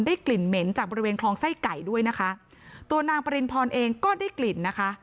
กลิ่นเหม็นจากบริเวณคลองไส้ไก่ด้วยนะคะตัวนางปริณพรเองก็ได้กลิ่นนะคะ